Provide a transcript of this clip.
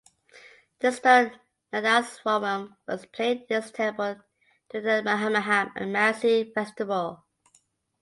This stone nadaswaram was played in this temple during the Mahamaham and Masi festival.